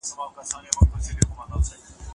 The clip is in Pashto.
امام احمد په لومړي روایت کې له چا سره موافق دی؟